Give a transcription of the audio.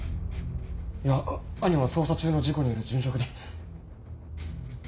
いや兄は捜査中の事故による殉職で。